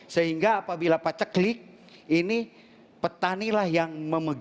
sehingga apabila pacaklik ini petani lah yang memegang kendali